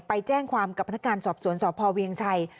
ไปแจ้งความกับพนักงานสอบสวนสพเวียงชัย